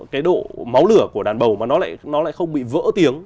cái độ máu lửa của đàn bầu mà nó lại không bị vỡ tiếng